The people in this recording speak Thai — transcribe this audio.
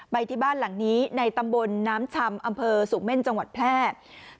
ไปที่บ้านหลังนี้ในตำบลน้ำชำอำเภอสูงเม่นจังหวัดแพร่